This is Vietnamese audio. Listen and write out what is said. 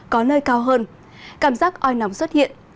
trời cao hơn cảm giác oi nóng xuất hiện